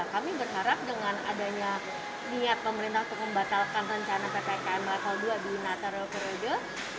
kami berharap dengan adanya niat pemerintah untuk membatalkan rencana ppkm level dua di natarul periode